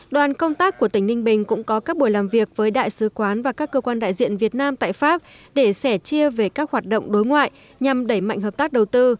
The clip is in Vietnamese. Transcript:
đoàn công tác của tỉnh ninh bình cũng có các buổi làm việc với đại sứ quán và các cơ quan đại diện việt nam tại pháp để sẻ chia về các hoạt động đối ngoại nhằm đẩy mạnh hợp tác đầu tư